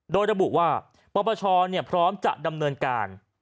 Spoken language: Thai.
โดยระบุว่าปปชพร้อมจะดำเนินการ